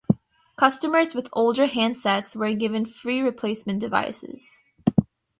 Customers with older handsets were given free replacement devices.